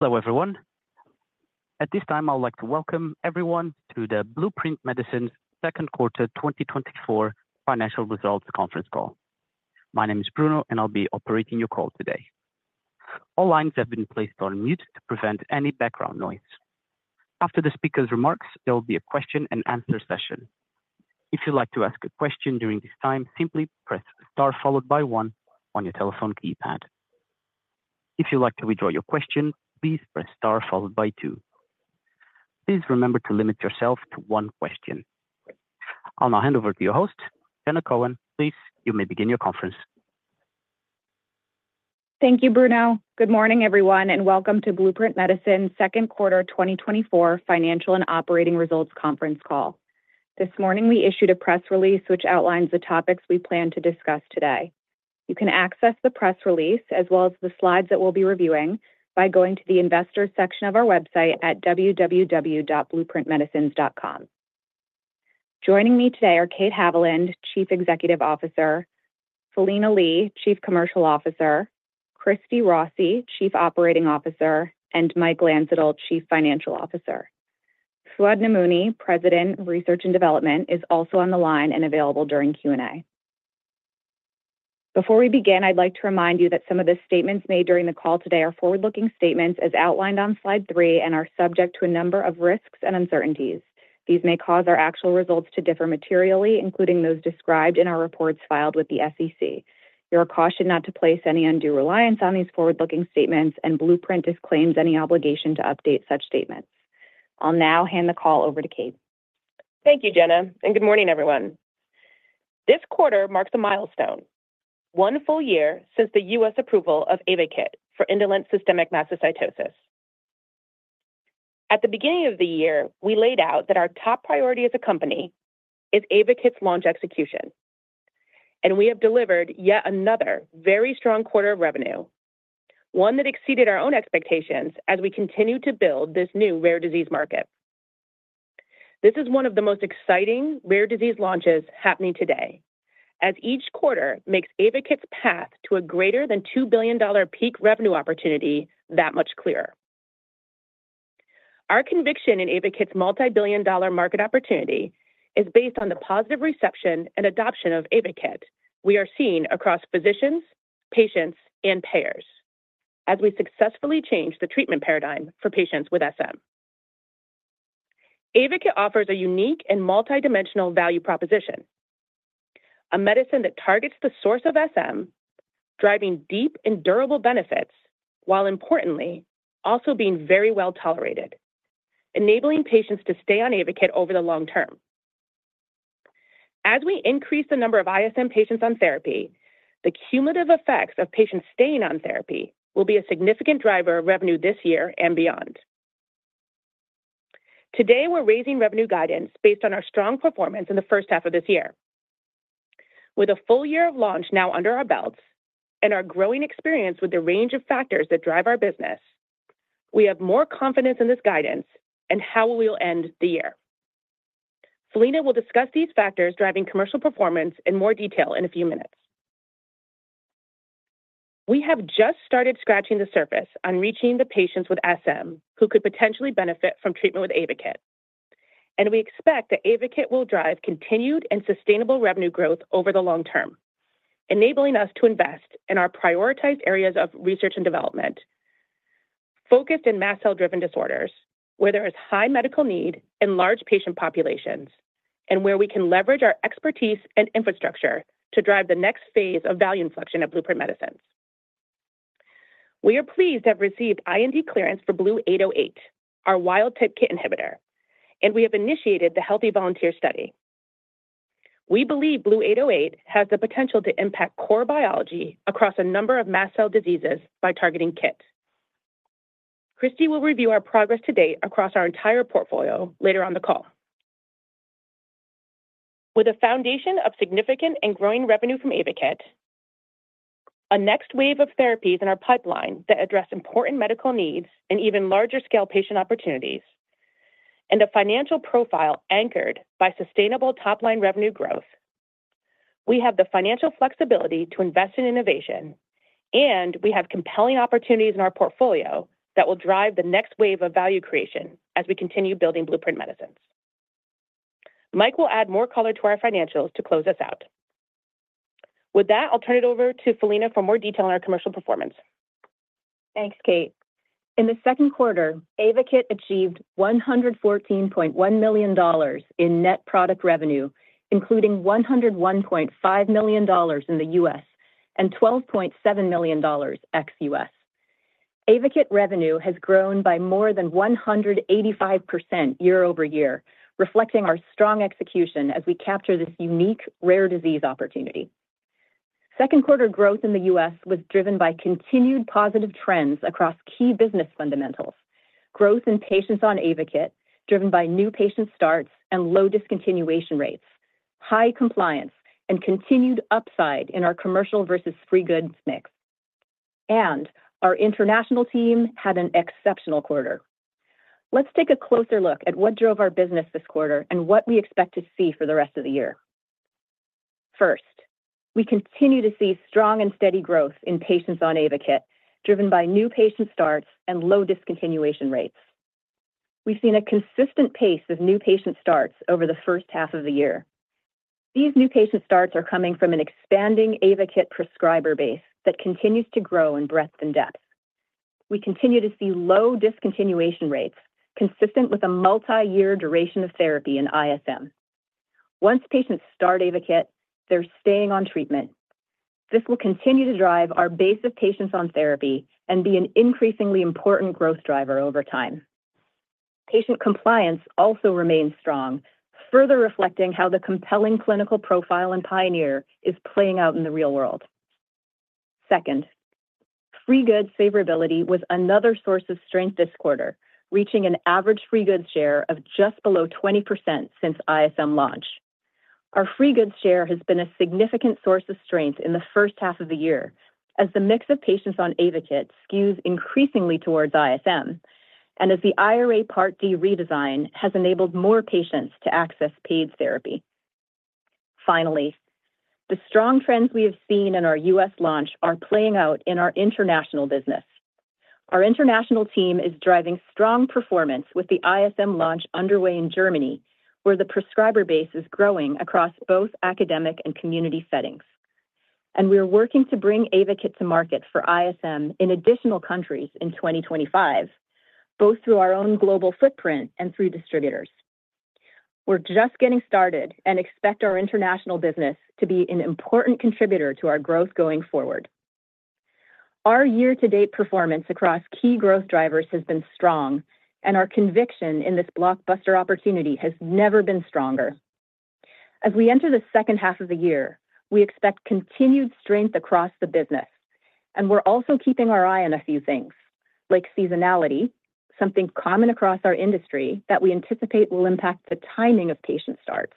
Hello everyone. At this time, I would like to welcome everyone to the Blueprint Medicines Second Quarter 2024 Financial Results Conference Call. My name is Bruno, and I'll be operating your call today. All lines have been placed on mute to prevent any background noise. After the speaker's remarks, there will be a question-and-answer session. If you'd like to ask a question during this time, simply press star followed by one on your telephone keypad. If you'd like to withdraw your question, please press star followed by two. Please remember to limit yourself to one question. I'll now hand over to your host, Jenna Cohen. Please, you may begin your conference. Thank you, Bruno. Good morning, everyone, and welcome to Blueprint Medicines Second Quarter 2024 Financial and Operating Results Conference Call. This morning, we issued a press release which outlines the topics we plan to discuss today. You can access the press release, as well as the slides that we'll be reviewing, by going to the Investors section of our website at www.blueprintmedicines.com. Joining me today are Kate Haviland, Chief Executive Officer, Philina Lee, Chief Commercial Officer, Christy Rossi, Chief Operating Officer, and Mike Landsittel, Chief Financial Officer. Fouad Namouni, President of Research and Development, is also on the line and available during Q&A. Before we begin, I'd like to remind you that some of the statements made during the call today are forward-looking statements, as outlined on slide 3, and are subject to a number of risks and uncertainties. These may cause our actual results to differ materially, including those described in our reports filed with the SEC. You are cautioned not to place any undue reliance on these forward-looking statements, and Blueprint disclaims any obligation to update such statements. I'll now hand the call over to Kate. Thank you, Jenna, and good morning, everyone. This quarter marks a milestone, one full year since the U.S. approval of AYVAKIT for indolent systemic mastocytosis. At the beginning of the year, we laid out that our top priority as a company is AYVAKIT's launch execution, and we have delivered yet another very strong quarter of revenue, one that exceeded our own expectations as we continue to build this new rare disease market. This is one of the most exciting rare disease launches happening today, as each quarter makes AYVAKIT's path to a greater than $2 billion peak revenue opportunity that much clearer. Our conviction in AYVAKIT's multi-billion-dollar market opportunity is based on the positive reception and adoption of AYVAKIT we are seeing across physicians, patients, and payers as we successfully change the treatment paradigm for patients with SM. AYVAKIT offers a unique and multidimensional value proposition, a medicine that targets the source of SM, driving deep and durable benefits, while importantly, also being very well tolerated, enabling patients to stay on AYVAKIT over the long term. As we increase the number of ISM patients on therapy, the cumulative effects of patients staying on therapy will be a significant driver of revenue this year and beyond. Today, we're raising revenue guidance based on our strong performance in the first half of this year. With a full year of launch now under our belts and our growing experience with the range of factors that drive our business, we have more confidence in this guidance and how we will end the year. Philina will discuss these factors driving commercial performance in more detail in a few minutes. We have just started scratching the surface on reaching the patients with SM who could potentially benefit from treatment with AYVAKIT, and we expect that AYVAKIT will drive continued and sustainable revenue growth over the long term, enabling us to invest in our prioritized areas of research and development, focused in mast cell-driven disorders, where there is high medical need and large patient populations, and where we can leverage our expertise and infrastructure to drive the next phase of value inflection at Blueprint Medicines. We are pleased to have received IND clearance for BLU-808, our wild-type KIT inhibitor, and we have initiated the healthy volunteer study. We believe BLU-808 has the potential to impact core biology across a number of mast cell diseases by targeting KIT. Christy will review our progress to date across our entire portfolio later on the call. With a foundation of significant and growing revenue from AYVAKIT, a next wave of therapies in our pipeline that address important medical needs and even larger scale patient opportunities, and a financial profile anchored by sustainable top-line revenue growth, we have the financial flexibility to invest in innovation, and we have compelling opportunities in our portfolio that will drive the next wave of value creation as we continue building Blueprint Medicines. Mike will add more color to our financials to close us out. With that, I'll turn it over to Philina for more detail on our commercial performance. Thanks, Kate. In the second quarter, AYVAKIT achieved $114.1 million in net product revenue, including $101.5 million in the U.S. and $12.7 million ex-US. AYVAKIT revenue has grown by more than 185% YoY, reflecting our strong execution as we capture this unique rare disease opportunity. Second quarter growth in the US was driven by continued positive trends across key business fundamentals, growth in patients on AYVAKIT, driven by new patient starts and low discontinuation rates, high compliance, and continued upside in our commercial versus free goods mix. Our international team had an exceptional quarter. Let's take a closer look at what drove our business this quarter and what we expect to see for the rest of the year.... First, we continue to see strong and steady growth in patients on AYVAKIT, driven by new patient starts and low discontinuation rates. We've seen a consistent pace of new patient starts over the first half of the year. These new patient starts are coming from an expanding AYVAKIT prescriber base that continues to grow in breadth and depth. We continue to see low discontinuation rates, consistent with a multi-year duration of therapy in ISM. Once patients start AYVAKIT, they're staying on treatment. This will continue to drive our base of patients on therapy and be an increasingly important growth driver over time. Patient compliance also remains strong, further reflecting how the compelling clinical profile in PIONEER is playing out in the real world. Second, free goods favorability was another source of strength this quarter, reaching an average free goods share of just below 20% since ISM launch. Our free goods share has been a significant source of strength in the first half of the year as the mix of patients on AYVAKIT skews increasingly towards ISM and as the IRA Part D redesign has enabled more patients to access paid therapy. Finally, the strong trends we have seen in our U.S. launch are playing out in our international business. Our international team is driving strong performance with the ISM launch underway in Germany, where the prescriber base is growing across both academic and community settings. And we are working to bring AYVAKIT to market for ISM in additional countries in 2025, both through our own global footprint and through distributors. We're just getting started and expect our international business to be an important contributor to our growth going forward. Our year-to-date performance across key growth drivers has been strong, and our conviction in this blockbuster opportunity has never been stronger. As we enter the second half of the year, we expect continued strength across the business, and we're also keeping our eye on a few things, like seasonality, something common across our industry that we anticipate will impact the timing of patient starts.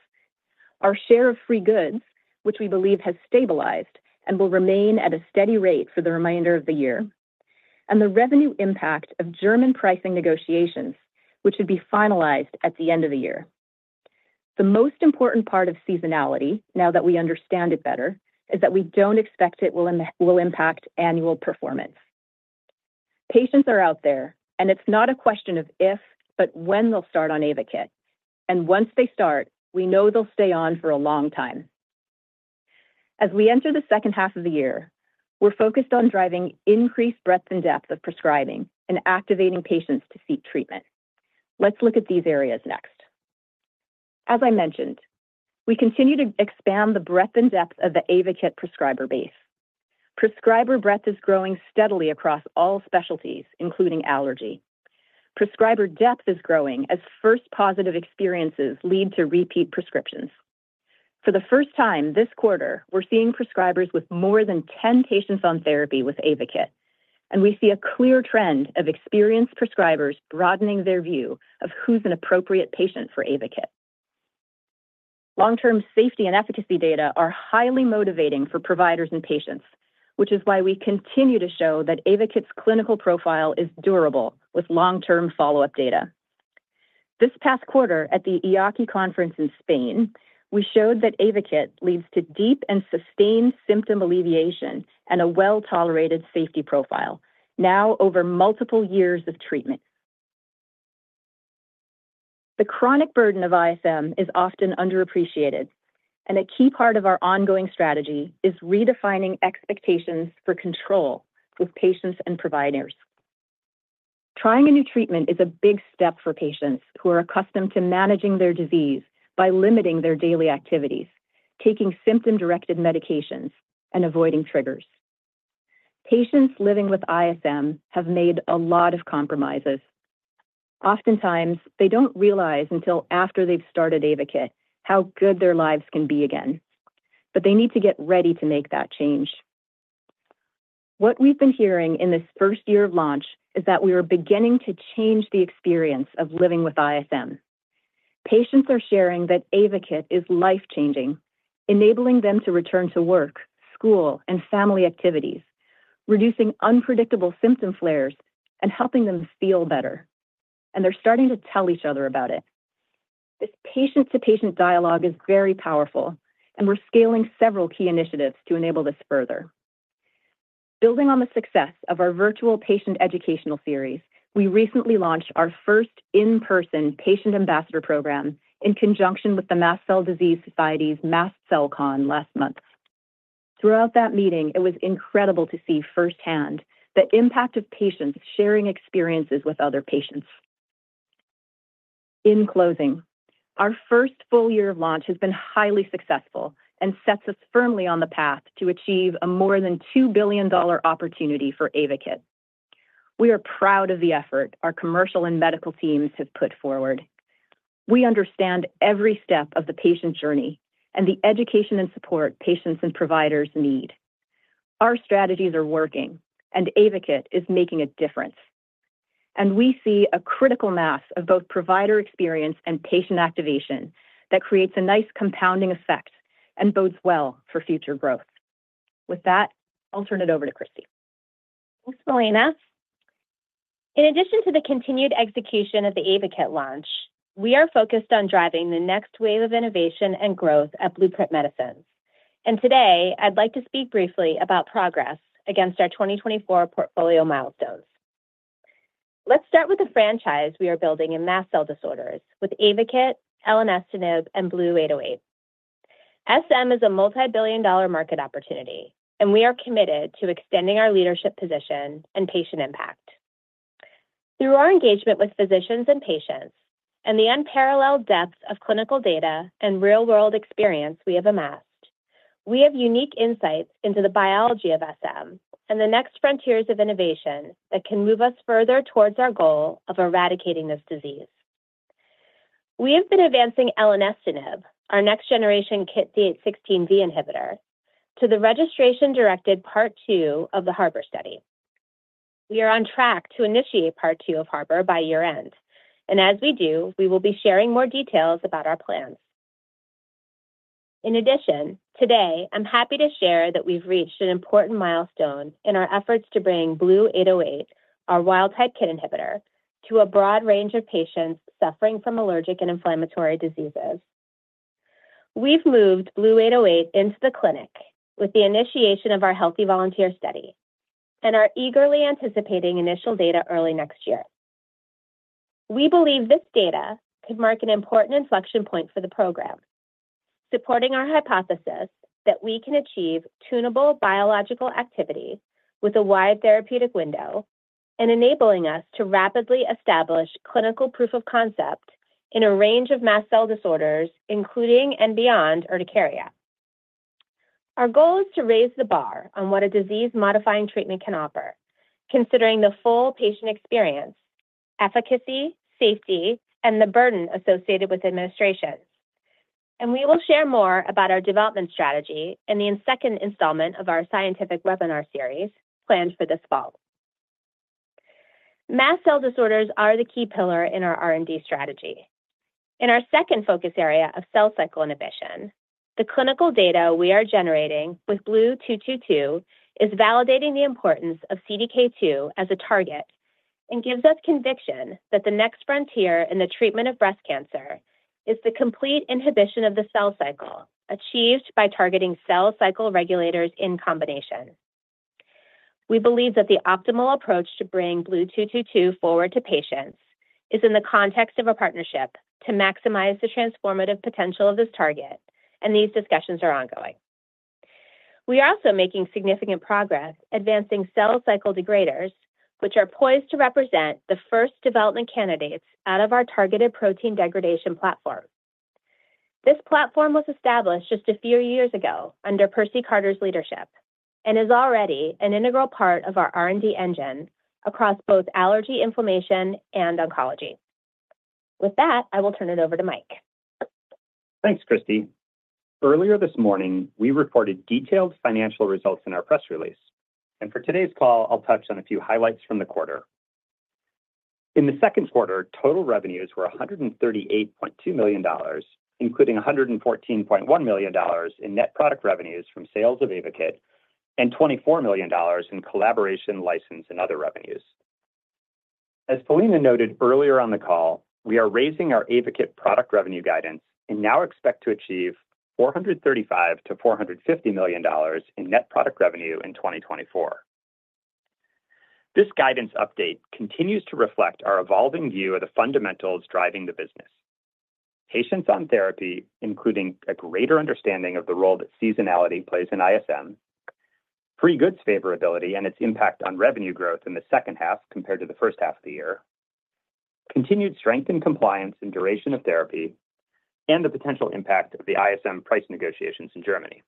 Our share of free goods, which we believe has stabilized and will remain at a steady rate for the remainder of the year. And the revenue impact of German pricing negotiations, which would be finalized at the end of the year. The most important part of seasonality, now that we understand it better, is that we don't expect it will will impact annual performance. Patients are out there, and it's not a question of if, but when they'll start on AYVAKIT. Once they start, we know they'll stay on for a long time. As we enter the second half of the year, we're focused on driving increased breadth and depth of prescribing and activating patients to seek treatment. Let's look at these areas next. As I mentioned, we continue to expand the breadth and depth of the AYVAKIT prescriber base. Prescriber breadth is growing steadily across all specialties, including allergy. Prescriber depth is growing as first positive experiences lead to repeat prescriptions. For the first time this quarter, we're seeing prescribers with more than 10 patients on therapy with AYVAKIT, and we see a clear trend of experienced prescribers broadening their view of who's an appropriate patient for AYVAKIT. Long-term safety and efficacy data are highly motivating for providers and patients, which is why we continue to show that AYVAKIT's clinical profile is durable with long-term follow-up data. This past quarter, at the EAACI conference in Spain, we showed that AYVAKIT leads to deep and sustained symptom alleviation and a well-tolerated safety profile, now over multiple years of treatment. The chronic burden of ISM is often underappreciated, and a key part of our ongoing strategy is redefining expectations for control with patients and providers. Trying a new treatment is a big step for patients who are accustomed to managing their disease by limiting their daily activities, taking symptom-directed medications, and avoiding triggers. Patients living with ISM have made a lot of compromises. Oftentimes, they don't realize until after they've started AYVAKIT, how good their lives can be again, but they need to get ready to make that change. What we've been hearing in this first year of launch is that we are beginning to change the experience of living with ISM. Patients are sharing that AYVAKIT is life-changing, enabling them to return to work, school, and family activities, reducing unpredictable symptom flares and helping them feel better, and they're starting to tell each other about it. This patient-to-patient dialogue is very powerful, and we're scaling several key initiatives to enable this further. Building on the success of our virtual patient educational series, we recently launched our first in-person patient ambassador program in conjunction with the Mast Cell Disease Society's Mast Cell Con last month. Throughout that meeting, it was incredible to see firsthand the impact of patients sharing experiences with other patients. In closing, our first full year of launch has been highly successful and sets us firmly on the path to achieve a more than $2 billion opportunity for AYVAKIT. We are proud of the effort our commercial and medical teams have put forward. We understand every step of the patient journey and the education and support patients and providers need. Our strategies are working, and AYVAKIT is making a difference, and we see a critical mass of both provider experience and patient activation that creates a nice compounding effect and bodes well for future growth. With that, I'll turn it over to Christy. Thanks, Philina.... In addition to the continued execution of the AYVAKIT launch, we are focused on driving the next wave of innovation and growth at Blueprint Medicines. Today, I'd like to speak briefly about progress against our 2024 portfolio milestones. Let's start with the franchise we are building in mast cell disorders with AYVAKIT, elenestinib and BLU-808. SM is a multi-billion-dollar market opportunity, and we are committed to extending our leadership position and patient impact. Through our engagement with physicians and patients and the unparalleled depth of clinical data and real-world experience we have amassed, we have unique insights into the biology of SM and the next frontiers of innovation that can move us further towards our goal of eradicating this disease. We have been advancing elenestinib, our next generation KIT D816V inhibitor, to the registration-directed Part 2 of the HARBOR study. We are on track to initiate Part 2 of HARBOR by year-end, and as we do, we will be sharing more details about our plans. In addition, today, I'm happy to share that we've reached an important milestone in our efforts to bring BLU-808, our wild-type KIT inhibitor, to a broad range of patients suffering from allergic and inflammatory diseases. We've moved BLU-808 into the clinic with the initiation of our healthy volunteer study and are eagerly anticipating initial data early next year. We believe this data could mark an important inflection point for the program, supporting our hypothesis that we can achieve tunable biological activity with a wide therapeutic window and enabling us to rapidly establish clinical proof of concept in a range of mast cell disorders, including and beyond urticaria. Our goal is to raise the bar on what a disease-modifying treatment can offer, considering the full patient experience, efficacy, safety, and the burden associated with administration. We will share more about our development strategy in the second installment of our scientific webinar series planned for this fall. Mast cell disorders are the key pillar in our R&D strategy. In our second focus area of cell cycle inhibition, the clinical data we are generating with BLU-222 is validating the importance of CDK2 as a target and gives us conviction that the next frontier in the treatment of breast cancer is the complete inhibition of the cell cycle, achieved by targeting cell cycle regulators in combination. We believe that the optimal approach to bring BLU-222 forward to patients is in the context of a partnership to maximize the transformative potential of this target, and these discussions are ongoing. We are also making significant progress advancing cell cycle degraders, which are poised to represent the first development candidates out of our targeted protein degradation platform. This platform was established just a few years ago under Percy Carter's leadership and is already an integral part of our R&D engine across both allergy, inflammation, and oncology. With that, I will turn it over to Mike. Thanks, Christy. Earlier this morning, we reported detailed financial results in our press release, and for today's call, I'll touch on a few highlights from the quarter. In the second quarter, total revenues were $138.2 million, including $114.1 million in net product revenues from sales of AYVAKIT and $24 million in collaboration, license, and other revenues. As Philina noted earlier on the call, we are raising our AYVAKIT product revenue guidance and now expect to achieve $435 million-$450 million in net product revenue in 2024. This guidance update continues to reflect our evolving view of the fundamentals driving the business. Patients on therapy, including a greater understanding of the role that seasonality plays in ISM, free goods favorability and its impact on revenue growth in the second half compared to the first half of the year, continued strength in compliance and duration of therapy, and the potential impact of the ISM price negotiations in Germany.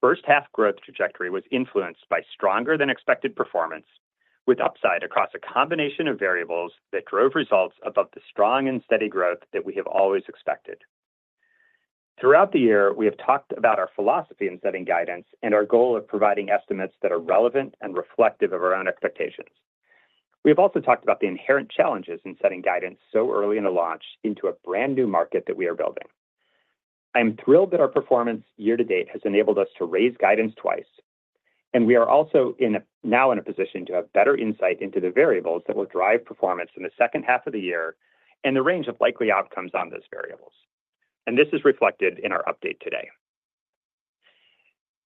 First half growth trajectory was influenced by stronger than expected performance, with upside across a combination of variables that drove results above the strong and steady growth that we have always expected. Throughout the year, we have talked about our philosophy in setting guidance and our goal of providing estimates that are relevant and reflective of our own expectations. We have also talked about the inherent challenges in setting guidance so early in a launch into a brand-new market that we are building. I'm thrilled that our performance year to date has enabled us to raise guidance twice, and we are also in a position to have better insight into the variables that will drive performance in the second half of the year and the range of likely outcomes on those variables. And this is reflected in our update today.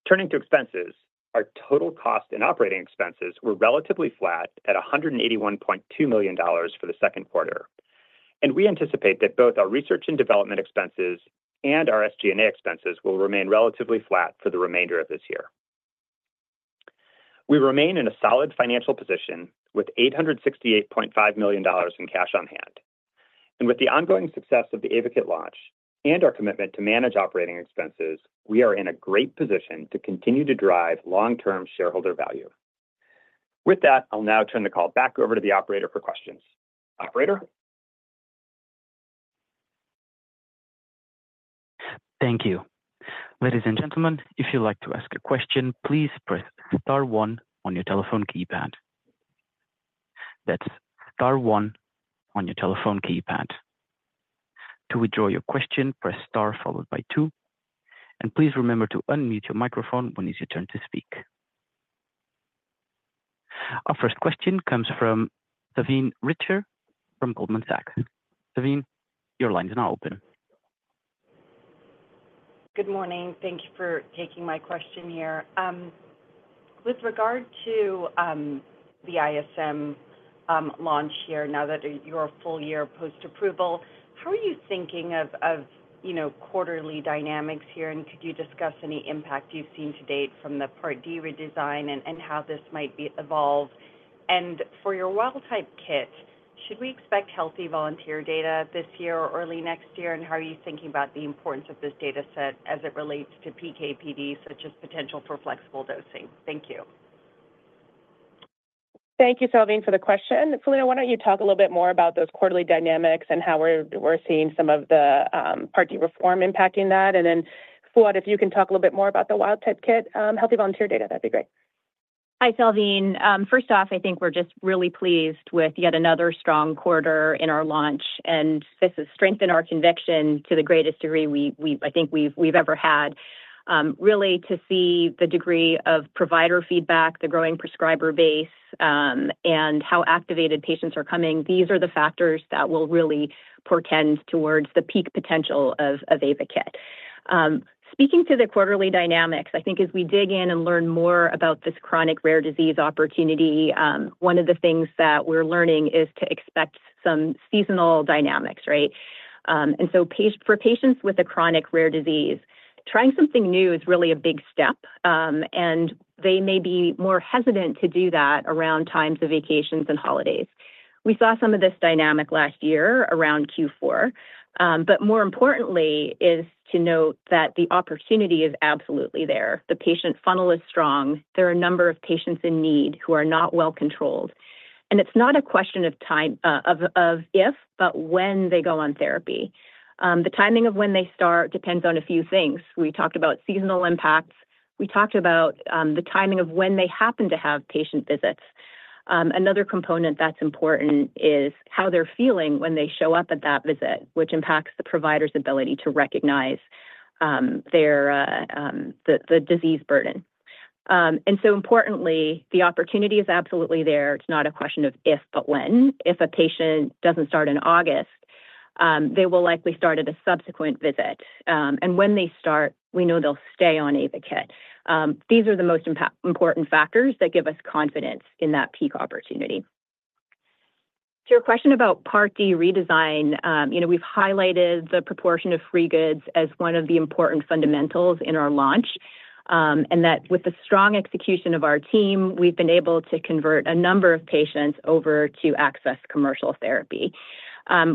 Turning to expenses, our total cost and operating expenses were relatively flat at $181.2 million for the second quarter, and we anticipate that both our research and development expenses and our SG&A expenses will remain relatively flat for the remainder of this year. We remain in a solid financial position with $868.5 million in cash on hand. With the ongoing success of the AYVAKIT launch and our commitment to manage operating expenses, we are in a great position to continue to drive long-term shareholder value. With that, I'll now turn the call back over to the operator for questions. Operator? Thank you. Ladies and gentlemen, if you'd like to ask a question, please press star one on your telephone keypad. That's star one on your telephone keypad. ... To withdraw your question, press star followed by two, and please remember to unmute your microphone when it's your turn to speak. Our first question comes from Salveen Richter from Goldman Sachs. Salveen, your line is now open. Good morning. Thank you for taking my question here. With regard to the ISM launch here, now that you're full year post-approval, how are you thinking of, of, you know, quarterly dynamics here? And could you discuss any impact you've seen to date from the Part D redesign and how this might be evolved? And for your wild-type KIT, should we expect healthy volunteer data this year or early next year, and how are you thinking about the importance of this data set as it relates to PK/PD, such as potential for flexible dosing? Thank you. Thank you, Salveen, for the question. Philina, why don't you talk a little bit more about those quarterly dynamics and how we're seeing some of the Part D reform impacting that. And then, Fouad, if you can talk a little bit more about the wild-type KIT healthy volunteer data, that'd be great. Hi, Salveen. First off, I think we're just really pleased with yet another strong quarter in our launch, and this has strengthened our conviction to the greatest degree we I think we've ever had. Really, to see the degree of provider feedback, the growing prescriber base, and how activated patients are coming, these are the factors that will really portend towards the peak potential of AYVAKIT. Speaking to the quarterly dynamics, I think as we dig in and learn more about this chronic rare disease opportunity, one of the things that we're learning is to expect some seasonal dynamics, right? And so for patients with a chronic rare disease, trying something new is really a big step, and they may be more hesitant to do that around times of vacations and holidays. We saw some of this dynamic last year around Q4. But more importantly is to note that the opportunity is absolutely there. The patient funnel is strong. There are a number of patients in need who are not well controlled, and it's not a question of time, of if, but when they go on therapy. The timing of when they start depends on a few things. We talked about seasonal impacts. We talked about the timing of when they happen to have patient visits. Another component that's important is how they're feeling when they show up at that visit, which impacts the provider's ability to recognize their disease burden. And so importantly, the opportunity is absolutely there. It's not a question of if, but when. If a patient doesn't start in August, they will likely start at a subsequent visit. When they start, we know they'll stay on AYVAKIT. These are the most important factors that give us confidence in that peak opportunity. To your question about Part D redesign, you know, we've highlighted the proportion of free goods as one of the important fundamentals in our launch, and that with the strong execution of our team, we've been able to convert a number of patients over to access commercial therapy.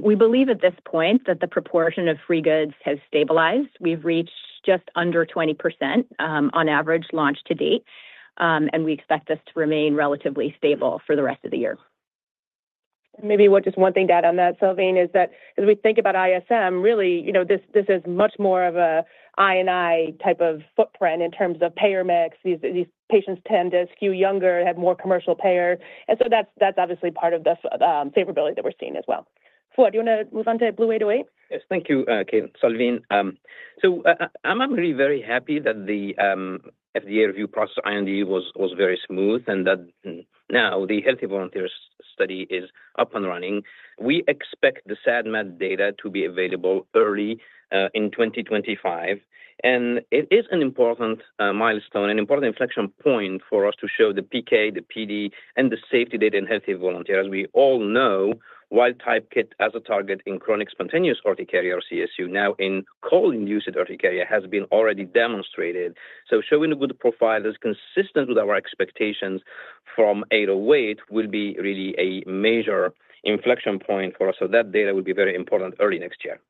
We believe at this point that the proportion of free goods has stabilized. We've reached just under 20%, on average, launch to date, and we expect this to remain relatively stable for the rest of the year. Maybe just one thing to add on that, Salveen, is that as we think about ISM, really, you know, this, this is much more of a I&I type of footprint in terms of payer mix. These, these patients tend to skew younger, have more commercial payer, and so that's, that's obviously part of the favorability that we're seeing as well. Fouad, do you want to move on to BLU-808? Yes. Thank you, Salveen. So I'm actually very happy that the FDA review process IND was very smooth and that now the healthy volunteers study is up and running. We expect the SAD/MAD data to be available early in 2025, and it is an important milestone, an important inflection point for us to show the PK, the PD, and the safety data in healthy volunteers. We all know wild-type KIT as a target in chronic spontaneous urticaria, CSU. Now, in cold-induced urticaria has been already demonstrated, so showing a good profile that's consistent with our expectations from 808 will be really a major inflection point for us. So that data will be very important early next year.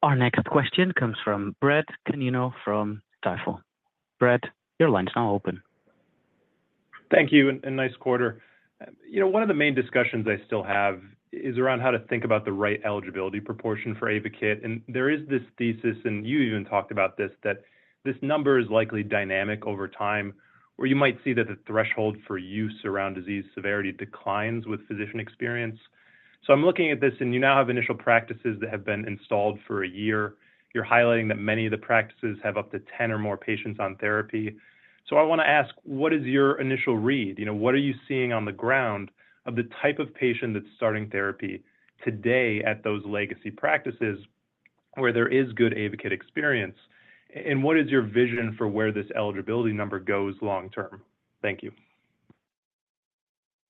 Our next question comes from Brad Canino from Stifel. Brad, your line is now open. Thank you, and nice quarter. You know, one of the main discussions I still have is around how to think about the right eligibility proportion for AYVAKIT, and there is this thesis, and you even talked about this, that this number is likely dynamic over time, where you might see that the threshold for use around disease severity declines with physician experience. So I'm looking at this, and you now have initial practices that have been installed for a year. You're highlighting that many of the practices have up to 10 or more patients on therapy. So I wanna ask, what is your initial read? You know, what are you seeing on the ground of the type of patient that's starting therapy today at those legacy practices where there is good AYVAKIT experience? And what is your vision for where this eligibility number goes long term? Thank you.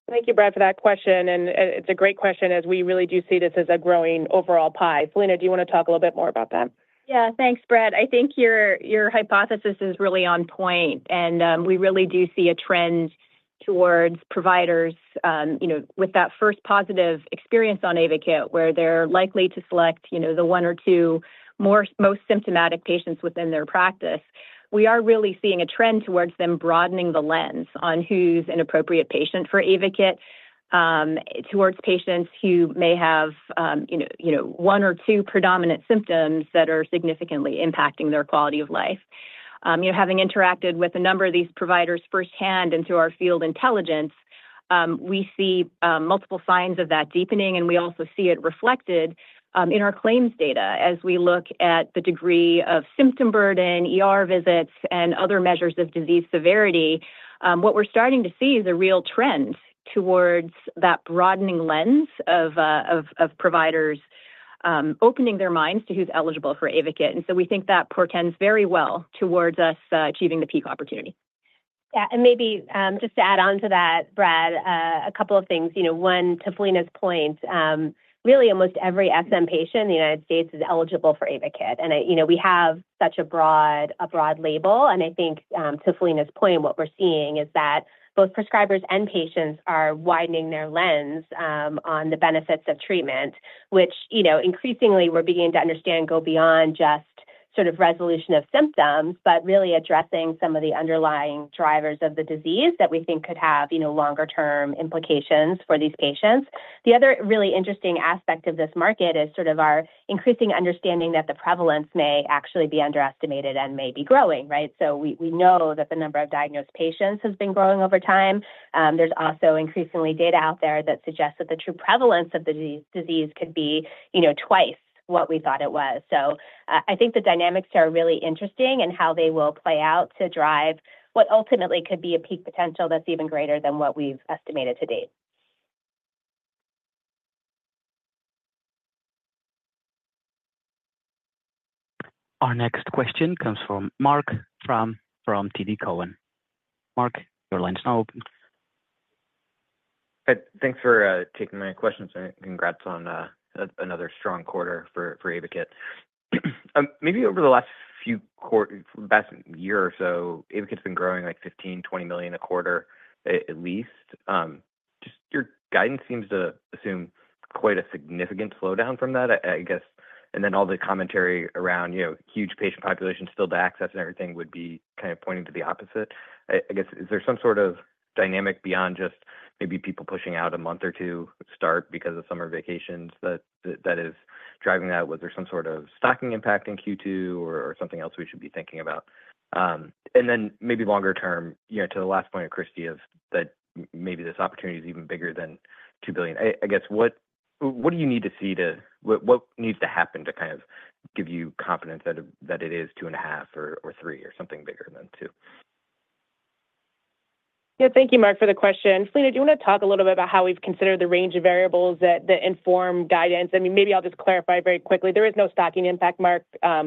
Thank you, Brad, for that question, and it's a great question as we really do see this as a growing overall pie. Philina, do you wanna talk a little bit more about that? Yeah. Thanks, Brad. I think your hypothesis is really on point, and we really do see a trend towards providers, you know, with that first positive experience on AYVAKIT, where they're likely to select, you know, the one or two most symptomatic patients within their practice. We are really seeing a trend towards them broadening the lens on who's an appropriate patient for AYVAKIT, towards patients who may have, you know, one or two predominant symptoms that are significantly impacting their quality of life. You know, having interacted with a number of these providers firsthand and through our field intelligence, we see multiple signs of that deepening, and we also see it reflected in our claims data. As we look at the degree of symptom burden, ER visits, and other measures of disease severity, what we're starting to see is a real trend towards that broadening lens of providers opening their minds to who's eligible for AYVAKIT. And so we think that portends very well towards us achieving the peak opportunity. Yeah, and maybe just to add on to that, Brad, a couple of things. You know, one, to Philina's point, really, almost every SM patient in the United States is eligible for AYVAKIT. And I, you know, we have such a broad, a broad label, and I think, to Philina's point, what we're seeing is that both prescribers and patients are widening their lens on the benefits of treatment, which, you know, increasingly we're beginning to understand go beyond just sort of resolution of symptoms, but really addressing some of the underlying drivers of the disease that we think could have, you know, longer-term implications for these patients. The other really interesting aspect of this market is sort of our increasing understanding that the prevalence may actually be underestimated and may be growing, right? So we know that the number of diagnosed patients has been growing over time. There's also increasingly data out there that suggests that the true prevalence of the disease could be, you know, twice what we thought it was. So, I think the dynamics are really interesting and how they will play out to drive what ultimately could be a peak potential that's even greater than what we've estimated to date. Our next question comes from Marc Frahm from TD Cowen. Mark, your line is now open. Thanks for taking my questions, and congrats on another strong quarter for AYVAKIT. Maybe over the past year or so, AYVAKIT's been growing, like, $15-$20 million a quarter, at least. Just your guidance seems to assume quite a significant slowdown from that. I guess, and then all the commentary around, you know, huge patient population still to access and everything would be kind of pointing to the opposite. I guess, is there some sort of dynamic beyond just maybe people pushing out a month or two start because of summer vacations that is driving that? Was there some sort of stocking impact in Q2 or something else we should be thinking about? And then maybe longer term, you know, to the last point of Christy, is that maybe this opportunity is even bigger than $2 billion. I guess, what do you need to see to... What needs to happen to kind of give you confidence that it is $2.5 or $3 or something bigger than $2? Yeah. Thank you, Marc, for the question. Philina, do you want to talk a little bit about how we've considered the range of variables that inform guidance? I mean, maybe I'll just clarify very quickly, there is no stocking impact, Marc.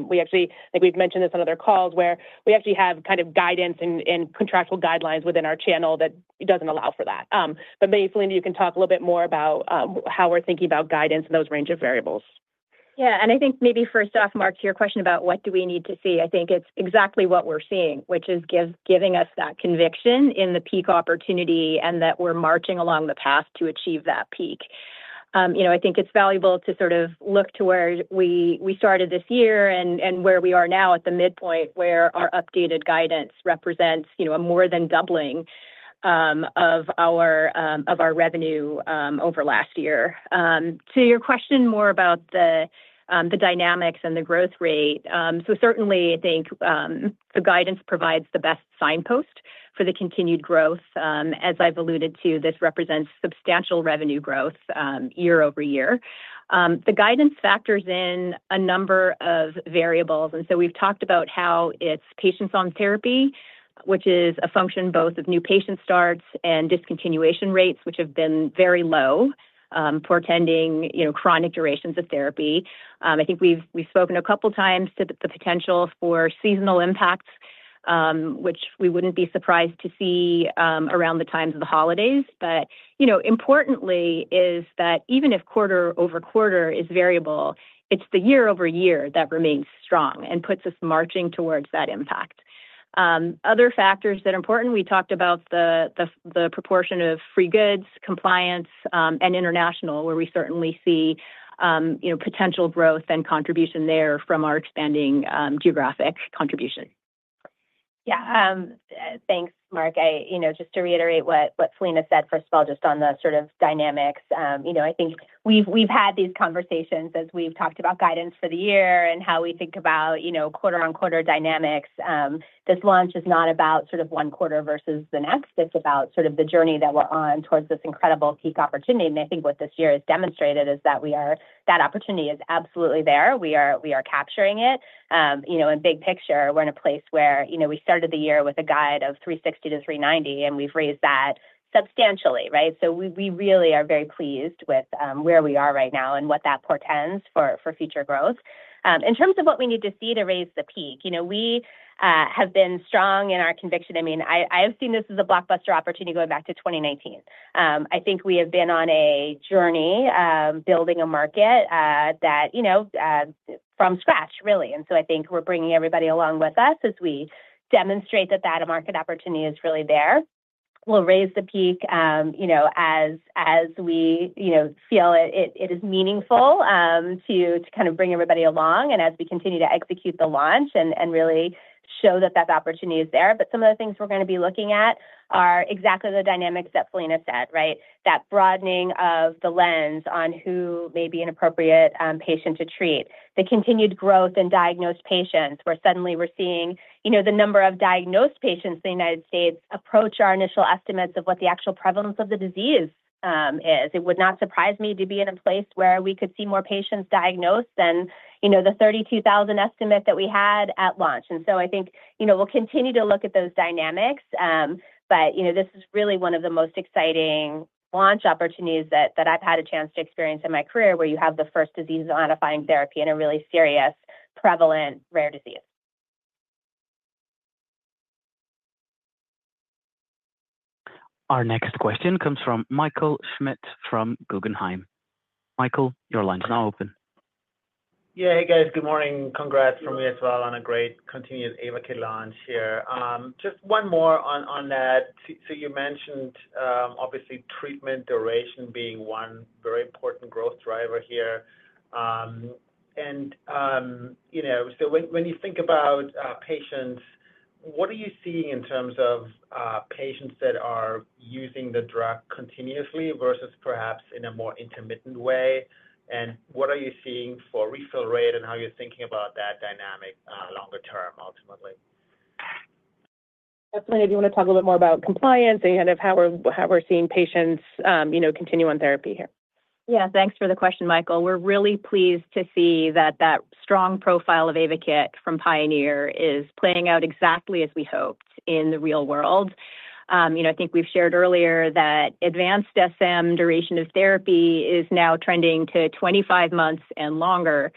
We actually, I think we've mentioned this on other calls where we actually have kind of guidance and contractual guidelines within our channel that doesn't allow for that. But maybe, Philina, you can talk a little bit more about how we're thinking about guidance and those range of variables. Yeah, and I think maybe first off, Marc, to your question about what do we need to see, I think it's exactly what we're seeing, which is giving us that conviction in the peak opportunity and that we're marching along the path to achieve that peak. You know, I think it's valuable to sort of look to where we started this year and where we are now at the midpoint, where our updated guidance represents, you know, a more than doubling of our revenue over last year. To your question more about the dynamics and the growth rate, so certainly, I think, the guidance provides the best signpost for the continued growth. As I've alluded to, this represents substantial revenue growth YoY. The guidance factors in a number of variables, and so we've talked about how it's patients on therapy, which is a function both of new patient starts and discontinuation rates, which have been very low, portending, you know, chronic durations of therapy. I think we've spoken a couple times to the potential for seasonal impacts, which we wouldn't be surprised to see, around the times of the holidays. But, you know, importantly is that even if quarter-over-quarter is variable, it's the YoY that remains strong and puts us marching towards that impact. Other factors that are important, we talked about the proportion of free goods, compliance, and international, where we certainly see, you know, potential growth and contribution there from our expanding geographic contribution. Yeah, thanks, Marc. I... You know, just to reiterate what Philina said, first of all, just on the sort of dynamics, you know, I think we've had these conversations as we've talked about guidance for the year and how we think about, you know, quarter-on-quarter dynamics. This launch is not about sort of one quarter versus the next. It's about sort of the journey that we're on towards this incredible peak opportunity, and I think what this year has demonstrated is that we are, that opportunity is absolutely there. We are, we are capturing it. You know, in big picture, we're in a place where, you know, we started the year with a guide of $360-$390, and we've raised that substantially, right? So we, we really are very pleased with where we are right now and what that portends for future growth. In terms of what we need to see to raise the peak, you know, we have been strong in our conviction. I mean, I have seen this as a blockbuster opportunity going back to 2019. I think we have been on a journey building a market that, you know, from scratch, really. And so I think we're bringing everybody along with us as we demonstrate that market opportunity is really there. We'll raise the peak, you know, as we, you know, feel it is meaningful to kind of bring everybody along and as we continue to execute the launch and really show that opportunity is there. But some of the things we're gonna be looking at are exactly the dynamics that Philina said, right? That broadening of the lens on who may be an appropriate patient to treat. The continued growth in diagnosed patients, where suddenly we're seeing, you know, the number of diagnosed patients in the United States approach our initial estimates of what the actual prevalence of the disease is. It would not surprise me to be in a place where we could see more patients diagnosed than, you know, the 32,000 estimate that we had at launch. So I think, you know, we'll continue to look at those dynamics, but, you know, this is really one of the most exciting launch opportunities that I've had a chance to experience in my career, where you have the first disease-modifying therapy in a really serious, prevalent, rare disease. Our next question comes from Michael Schmidt from Guggenheim. Michael, your line's now open. Yeah, hey, guys. Good morning. Congrats from me as well on a great continued AYVAKIT launch here. Just one more on that. So you mentioned, obviously, treatment duration being one very important growth driver here. And you know, so when you think about patients, what are you seeing in terms of patients that are using the drug continuously versus perhaps in a more intermittent way? And what are you seeing for refill rate and how you're thinking about that dynamic longer term, ultimately? Philina, do you wanna talk a little bit more about compliance and kind of how we're seeing patients, you know, continue on therapy here? Yeah, thanks for the question, Michael. We're really pleased to see that strong profile of AYVAKIT from PIONEER is playing out exactly as we hoped in the real world. You know, I think we've shared earlier that Advanced SM duration of therapy is now trending to 25 months and longer.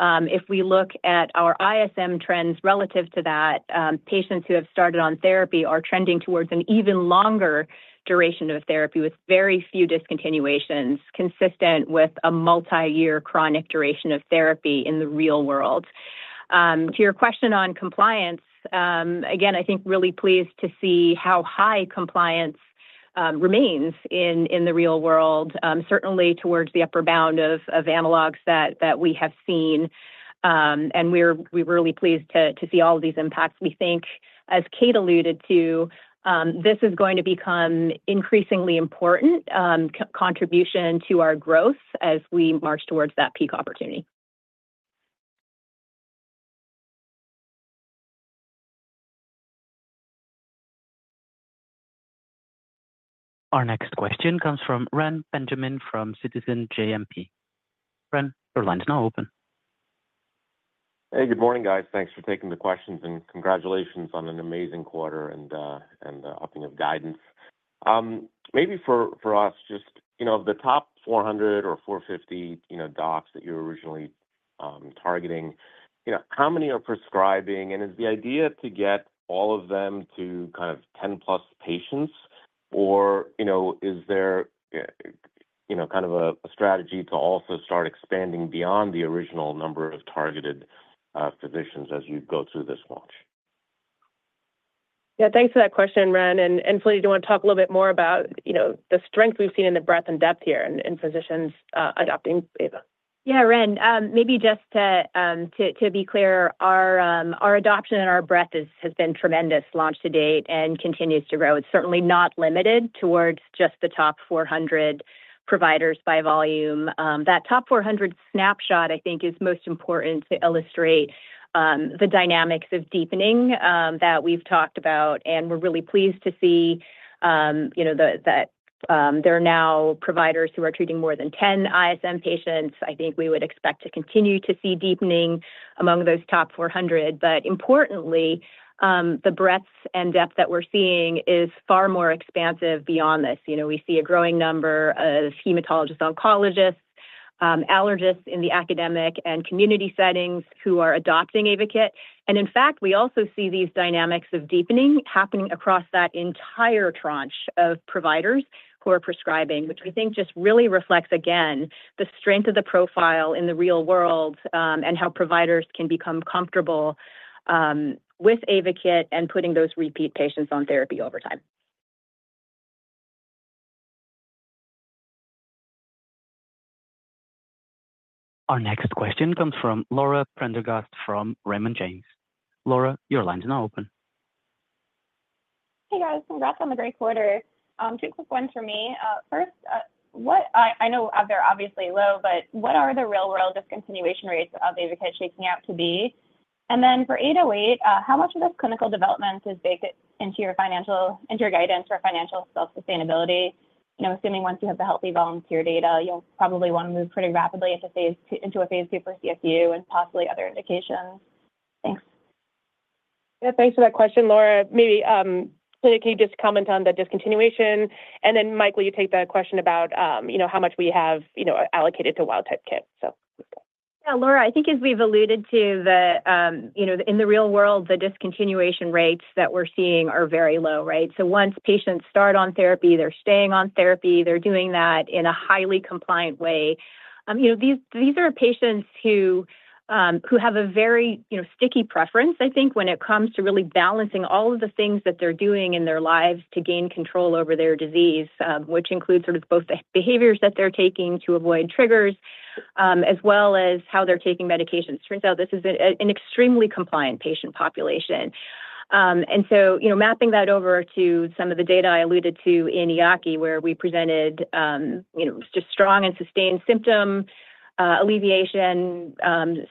If we look at our ISM trends relative to that, patients who have started on therapy are trending towards an even longer duration of therapy with very few discontinuations, consistent with a multiyear chronic duration of therapy in the real world. To your question on compliance, again, I think, really pleased to see how high compliance remains in the real world, certainly towards the upper bound of analogs that we have seen. And we're really pleased to see all of these impacts. We think, as Kate alluded to, this is going to become increasingly important, contribution to our growth as we march towards that peak opportunity. Our next question comes from Reni Benjamin from Citizens JMP. Ren, your line's now open. Hey, good morning, guys. Thanks for taking the questions, and congratulations on an amazing quarter and upping of guidance. Maybe for us, just, you know, the top 400 or 450, you know, docs that you're originally targeting, you know, how many are prescribing? And is the idea to get all of them to kind of 10+ patients, or, you know, is there, you know, kind of a strategy to also start expanding beyond the original number of targeted physicians as you go through this launch? Yeah, thanks for that question, Ren, and Salveen, do you wanna talk a little bit more about, you know, the strength we've seen in the breadth and depth here in physicians adopting Ayva? Yeah, Ren, maybe just to be clear, our adoption and our breadth has been tremendous launch to date and continues to grow. It's certainly not limited towards just the top 400 providers by volume. That top 400 snapshot, I think, is most important to illustrate the dynamics of deepening that we've talked about, and we're really pleased to see, you know, that there are now providers who are treating more than 10 ISM patients. I think we would expect to continue to see deepening among those top 400. But importantly, the breadth and depth that we're seeing is far more expansive beyond this. You know, we see a growing number of hematologists, oncologists, allergists in the academic and community settings who are adopting AYVAKIT. In fact, we also see these dynamics of deepening happening across that entire tranche of providers who are prescribing, which I think just really reflects, again, the strength of the profile in the real world, and how providers can become comfortable, with AYVAKIT and putting those repeat patients on therapy over time. Our next question comes from Laura Prendergast from Raymond James. Laura, your line is now open. Hey, guys. Congrats on the great quarter. Two quick ones for me. First, what are the real-world discontinuation rates of AYVAKIT shaping out to be? And then for 808, how much of this clinical development is baked into your guidance for financial self-sustainability? You know, assuming once you have the healthy volunteer data, you'll probably wanna move pretty rapidly into phase II for CSU and possibly other indications. Thanks. Yeah, thanks for that question, Laura. Maybe, Philina, can you just comment on the discontinuation, and then, Mike, will you take the question about, you know, how much we have, you know, allocated to wild-type KIT? So... Yeah, Laura, I think as we've alluded to, you know, in the real world, the discontinuation rates that we're seeing are very low, right? So once patients start on therapy, they're staying on therapy, they're doing that in a highly compliant way. You know, these are patients who have a very, you know, sticky preference, I think, when it comes to really balancing all of the things that they're doing in their lives to gain control over their disease, which includes sort of both the behaviors that they're taking to avoid triggers, as well as how they're taking medications. Turns out this is an extremely compliant patient population. And so, you know, mapping that over to some of the data I alluded to in EAACI, where we presented, you know, just strong and sustained symptom alleviation,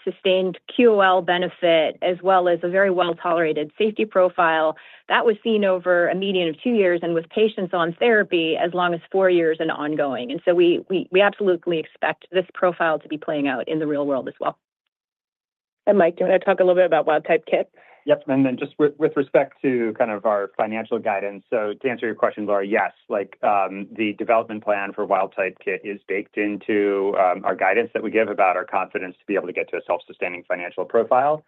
sustained QOL benefit, as well as a very well-tolerated safety profile. That was seen over a median of two years and with patients on therapy as long as four years and ongoing. And so we, we, we absolutely expect this profile to be playing out in the real world as well. Mike, do you want to talk a little bit about wild-type KIT? Yep. And then just with respect to kind of our financial guidance, so to answer your question, Laura, yes. Like, the development plan for wild-type KIT is baked into our guidance that we give about our confidence to be able to get to a self-sustaining financial profile.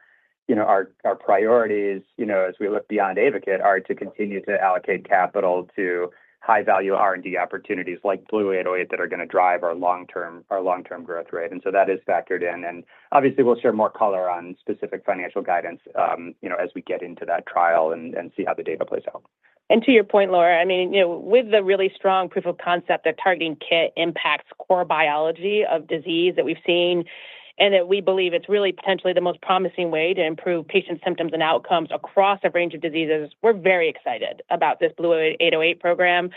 You know, our priority is, you know, as we look beyond AYVAKIT, to continue to allocate capital to high-value R&D opportunities like BLU-808, that are going to drive our long-term growth rate. And so that is factored in, and obviously we'll share more color on specific financial guidance, you know, as we get into that trial and see how the data plays out. And to your point, Laura, I mean, you know, with the really strong proof of concept that targeting KIT impacts core biology of disease that we've seen and that we believe it's really potentially the most promising way to improve patient symptoms and outcomes across a range of diseases, we're very excited about this BLU-808 program.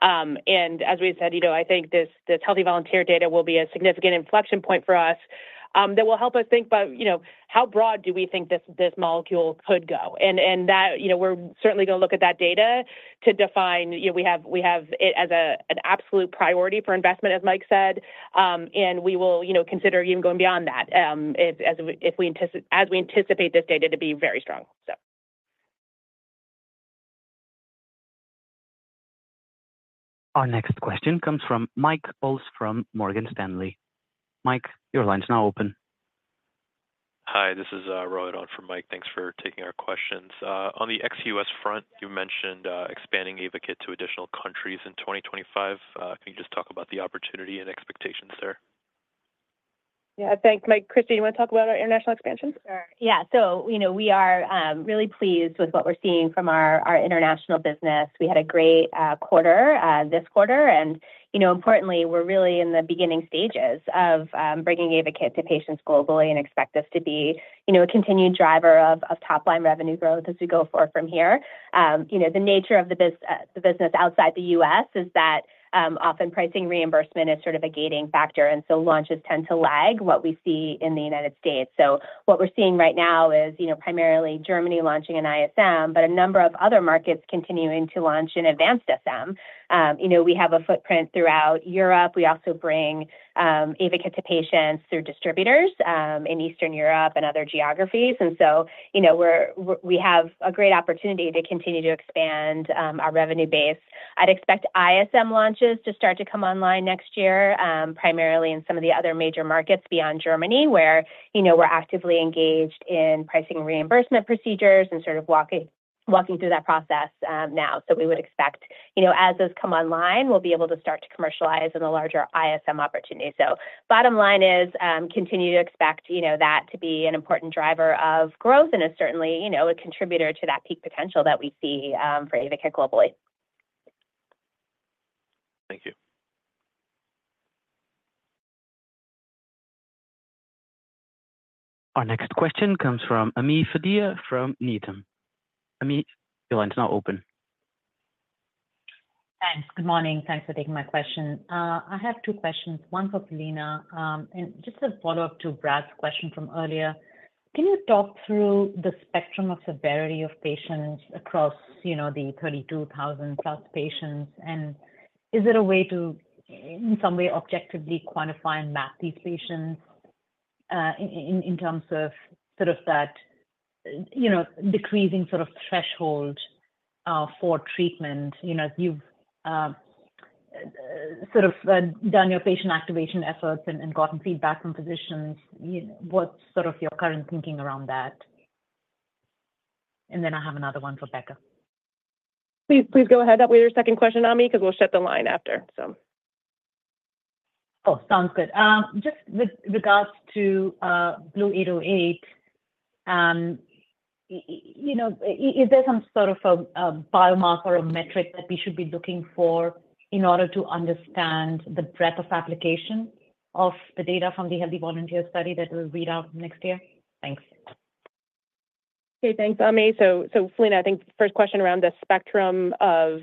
And as we said, you know, I think this, this healthy volunteer data will be a significant inflection point for us, that will help us think about, you know, how broad do we think this, this molecule could go? And, and that—you know, we're certainly going to look at that data to define. You know, we have, we have it as a, an absolute priority for investment, as Mike said. And we will, you know, consider even going beyond that, if, as we anticipate this data to be very strong, so. Our next question comes from Mike Ulz from Morgan Stanley. Mike, your line is now open. Hi, this is Rohan for Mike. Thanks for taking our questions. On the ex-US front, you mentioned expanding AYVAKIT to additional countries in 2025. Can you just talk about the opportunity and expectations there? Yeah, thanks, Mike. Christy, you want to talk about our international expansion? Sure. Yeah. So, you know, we are really pleased with what we're seeing from our international business. We had a great quarter this quarter. And, you know, importantly, we're really in the beginning stages of bringing AYVAKIT to patients globally and expect this to be, you know, a continued driver of top-line revenue growth as we go forward from here. You know, the nature of the business outside the U.S. is that often pricing reimbursement is sort of a gating factor, and so launches tend to lag what we see in the United States. So what we're seeing right now is, you know, primarily Germany launching in ISM, but a number of other markets continuing to launch in Advanced SM. You know, we have a footprint throughout Europe. We also bring AYVAKIT to patients through distributors in Eastern Europe and other geographies. And so, you know, we have a great opportunity to continue to expand our revenue base. I'd expect ISM launches to start to come online next year, primarily in some of the other major markets beyond Germany, where, you know, we're actively engaged in pricing reimbursement procedures and sort of walking through that process now. So we would expect, you know, as those come online, we'll be able to start to commercialize in a larger ISM opportunity. So bottom line is, continue to expect, you know, that to be an important driver of growth and is certainly, you know, a contributor to that peak potential that we see for AYVAKIT globally. Thank you. Our next question comes from Ami Fadia from Needham. Ami, your line is now open. Thanks. Good morning. Thanks for taking my question. I have two questions, one for Philina. And just a follow-up to Brad's question from earlier. Can you talk through the spectrum of severity of patients across, you know, the 32,000+ patients? And is there a way to, in some way, objectively quantify and map these patients, in terms of sort of that, you know, decreasing sort of threshold, for treatment? You know, as you've, sort of, done your patient activation efforts and, and gotten feedback from physicians, what's sort of your current thinking around that? And then I have another one for Fouad. Please, please go ahead with your second question, Ami, because we'll shut the line after. So. Oh, sounds good. Just with regards to BLU-808, you know, is there some sort of a biomarker or metric that we should be looking for in order to understand the breadth of application of the data from the healthy volunteer study that will read out next year? Thanks. Okay. Thanks, Ami. So, Philina, I think the first question around the spectrum of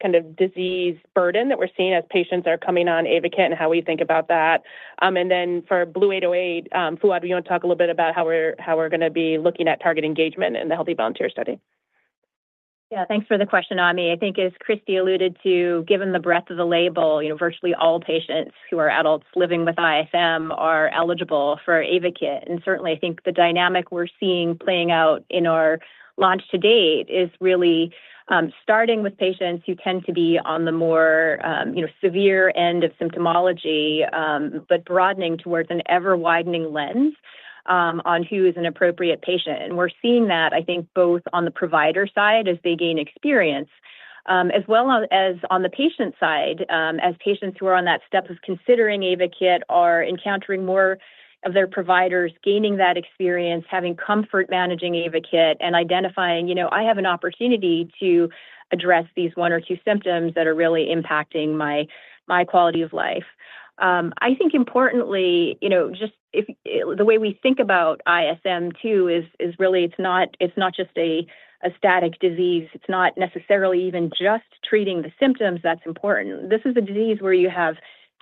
kind of disease burden that we're seeing as patients are coming on AYVAKIT and how we think about that. And then for BLU-808, Fouad, do you want to talk a little bit about how we're going to be looking at target engagement in the healthy volunteer study? Yeah, thanks for the question, Ami. I think as Christy alluded to, given the breadth of the label, you know, virtually all patients who are adults living with ISM are eligible for AYVAKIT. And certainly, I think the dynamic we're seeing playing out in our launch to date is really, starting with patients who tend to be on the more, you know, severe end of symptomology, but broadening towards an ever-widening lens, on who is an appropriate patient. And we're seeing that, I think, both on the provider side as they gain experience, as well on... as on the patient side, as patients who are on that step of considering AYVAKIT are encountering more of their providers, gaining that experience, having comfort managing AYVAKIT, and identifying, "You know, I have an opportunity to address these one or two symptoms that are really impacting my quality of life." I think importantly, you know, just if the way we think about ISM too is really it's not just a static disease. It's not necessarily even just treating the symptoms that's important. This is a disease where you have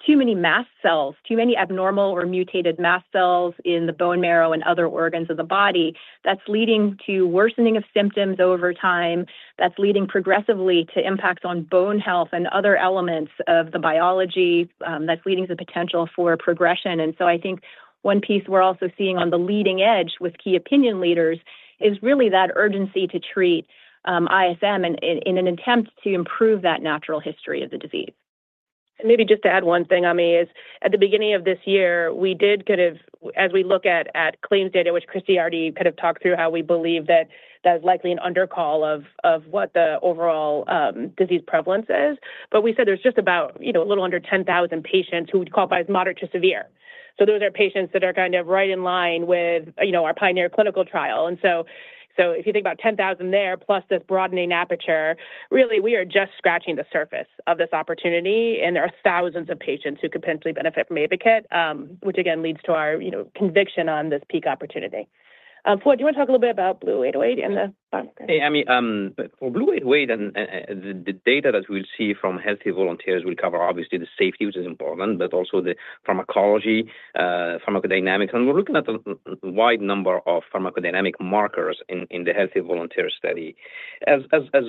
too many mast cells, too many abnormal or mutated mast cells in the bone marrow and other organs of the body, that's leading to worsening of symptoms over time, that's leading progressively to impacts on bone health and other elements of the biology, that's leading to the potential for progression. And so I think one piece we're also seeing on the leading edge with key opinion leaders is really that urgency to treat ISM in an attempt to improve that natural history of the disease. Maybe just to add one thing, Ami, is at the beginning of this year, we did kind of as we look at claims data, which Christy already kind of talked through, how we believe that that is likely an undercall of what the overall disease prevalence is. But we said there's just about, you know, a little under 10,000 patients who would qualify as moderate to severe. So those are patients that are kind of right in line with, you know, our PIONEER clinical trial. And so, if you think about 10,000 there, plus this broadening aperture, really, we are just scratching the surface of this opportunity, and there are thousands of patients who could potentially benefit from AYVAKIT, which again leads to our, you know, conviction on this peak opportunity. Fouad, do you want to talk a little bit about BLU-808 and the- Hey, Ami, for BLU-808 and the data that we'll see from healthy volunteers will cover obviously the safety, which is important, but also the pharmacology, pharmacodynamics. And we're looking at a wide number of pharmacodynamic markers in the healthy volunteer study. As